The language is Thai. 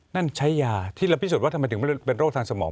นั่นใช้ยาที่เราพิสูจนว่าทำไมถึงไม่ได้เป็นโรคทางสมอง